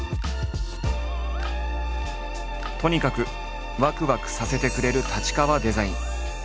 とにかくわくわくさせてくれる太刀川デザイン。